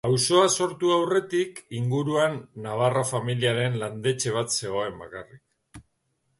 Auzoa sortu aurretik inguruan Navarro familiaren landetxe bat zegoen bakarrik.